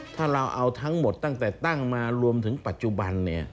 ถ้าเราเอาทั้งหมดตั้งแต่ตั้งมารวมถึงปัจจุบัน